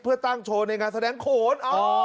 เพื่อตั้งโชว์ในงานแสดงโขน